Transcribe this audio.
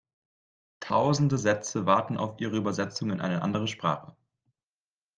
Tausende Sätze warten auf ihre Übersetzung in eine andere Sprache.